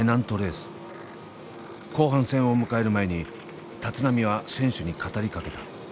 後半戦を迎える前に立浪は選手に語りかけた。